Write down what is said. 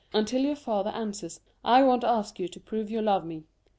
Until your father answers I won't ask you to prove you love me.